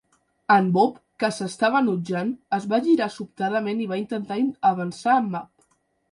En Bob, que s'estava enutjant, es va girar sobtadament i va intentar avançar en Mab.